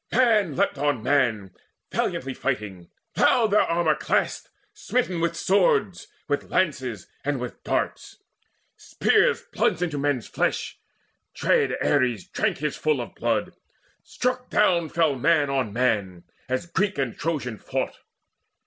Man leapt on man Valiantly fighting; loud their armour clashed Smitten with swords, with lances, and with darts. Spears plunged into men's flesh: dread Ares drank His fill of blood: struck down fell man on man, As Greek and Trojan fought.